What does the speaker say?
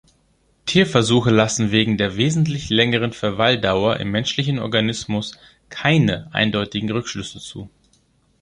Tierversuche lassen wegen der wesentlich längeren Verweildauer im menschlichen Organismus keine eindeutigen Rückschlüsse zu.